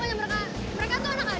ya kamu century nanti